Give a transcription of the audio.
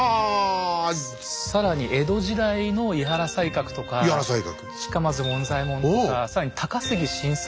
更に江戸時代の井原西鶴とか近松門左衛門とか更に高杉晋作